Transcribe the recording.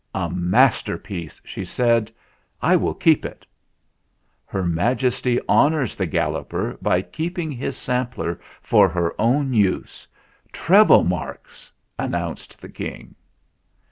"A masterpiece," she said ; "I will keep it !" "Her Majesty honours the Galloper by keep ing his sampler for her own use. Treble marks!" announced the King.